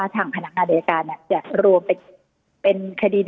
คุณแอ้มใช่ค่ะ